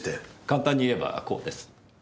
簡単に言えばこうです。